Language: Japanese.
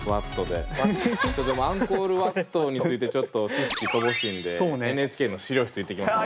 でもアンコールワットについてちょっと知識乏しいんでＮＨＫの資料室行ってきます。